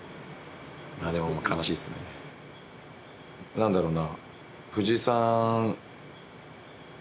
何だろうな。